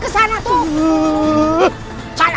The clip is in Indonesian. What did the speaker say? ke sana ke sana